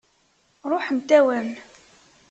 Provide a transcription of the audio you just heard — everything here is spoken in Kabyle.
Ṛuḥent-awen.